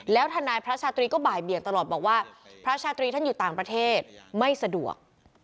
แล้วทนายพระชาตรีก็บ่ายเบียงตลอดบอกว่าพระชาตรีท่านอยู่ต่างประเทศไม่สะดวก